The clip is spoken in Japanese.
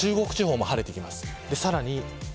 中国地方も晴れてきます。